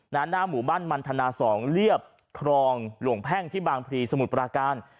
หน้าหมู่บ้านมันธนา๒เรียบครองหลวงแพ่งที่บางพลีสมุทรปราการ